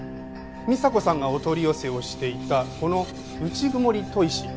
美沙子さんがお取り寄せをしていたこの内曇砥石。